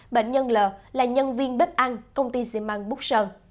bệnh nhân l là nhân viên bếp ăn công ty xi măng búc sơn